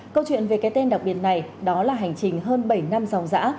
câu chuyện về cái tên đặc biệt này đó là hành trình hơn bảy năm dòng dã